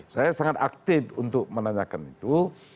saya sangat aktif untuk menanyakan itu